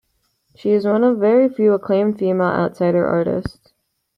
She is one of very few acclaimed female outsider artists.